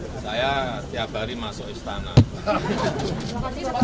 bapak apa yang kamu ingin masuk golkar